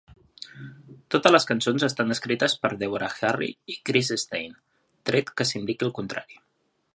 Totes les cançons estan escrites per Deborah Harry i Chris Stein, tret que s'indiqui el contrari.